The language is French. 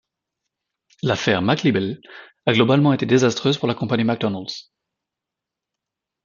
L'affaire McLibel a globalement été désastreuse pour la compagnie McDonald's.